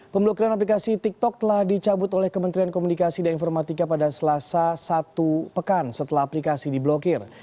pemblokiran aplikasi tiktok telah dicabut oleh kementerian komunikasi dan informatika pada selasa satu pekan setelah aplikasi diblokir